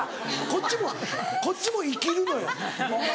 こっちもこっちも生きるのよ。